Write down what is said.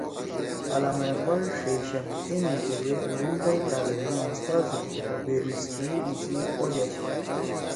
علامہ اقبال ݜیشم M-A کیدے اوریئنٹل کالج می اُستاذ ہُوشُو خو بیرسٹری ایِسی خوش أشی